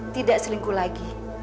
tidak selingkuh lagi